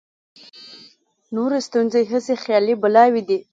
نورې ستونزې هسې خیالي بلاوې دي.